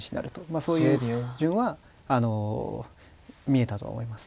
まあそういう順はあの見えたとは思いますね。